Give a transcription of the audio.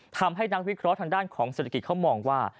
ทำให้นักวิเคราะห์ทางด้านของเศรษฐกิจเขามองว่า